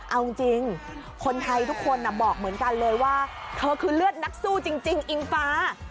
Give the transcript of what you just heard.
เอาจริงคนไทยทุกคนบอกเหมือนกันเลยว่าเธอคือเลือดนักสู้จริงอิงฟ้า